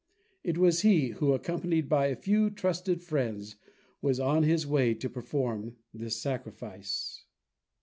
It was he who, accompanied by a few trusted friends, was on his way to perform this sacrifice.